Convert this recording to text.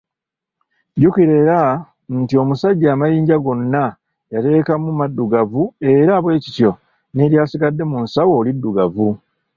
Jjukira era nti omusajja amayinja gonna yateekamu maddugavu era bwe kityo n’eryasigadde mu nsawo liddugavu.